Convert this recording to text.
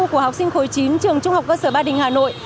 của học sinh khối chín trường trung học cơ sở ba đình hà nội